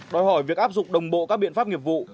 đòi hỏi việc áp dụng đồng bộ các biện pháp nghiệp vụ